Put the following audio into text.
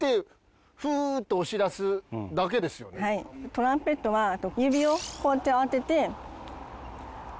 トランペットは指をこうやって当てて。